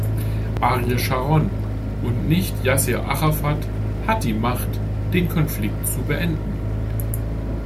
Ariel Scharon und nicht Yasser Arafat hat die Macht, den Konflikt zu beenden.